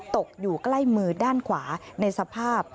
ตกอยู่ใกล้มือด้านขวาในสภาพ